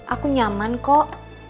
aku nyaman kok